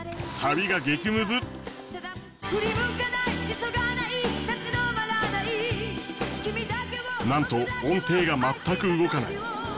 そののちなんと音程が全く動かない。